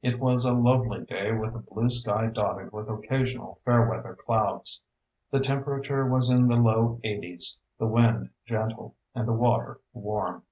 It was a lovely day with a blue sky dotted with occasional fair weather clouds. The temperature was in the low eighties, the wind gentle, and the water warm.